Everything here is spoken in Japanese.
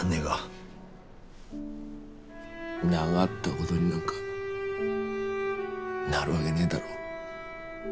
ながったごどになんかなるわげねえだろ。